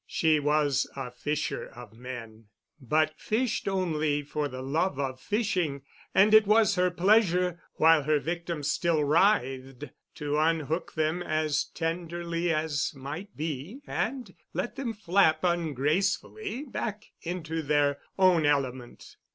She was a fisher of men, but fished only for the love of fishing, and it was her pleasure while her victims still writhed to unhook them as tenderly as might be and let them flap ungracefully back into their own element.